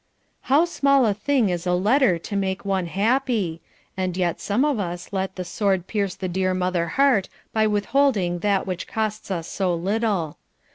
How small a thing is a letter to make one happy! and yet some of us let the sword pierce the dear mother heart by withholding that which costs us so little.